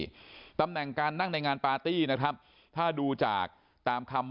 ตำแหน่งการนั่งในงานปาร์ตี้นะครับถ้าดูจากตามคำ